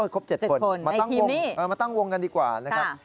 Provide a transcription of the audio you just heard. ครบ๗คนมาตั้งวงกันดีกว่านะครับ